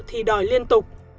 nợ thì đòi liên tục